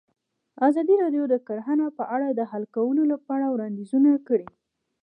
ازادي راډیو د کرهنه په اړه د حل کولو لپاره وړاندیزونه کړي.